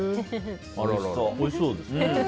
おいしそうですね。